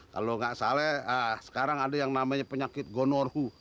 kalau nggak salah sekarang ada yang namanya penyakit gonorhu